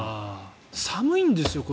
寒いんですよ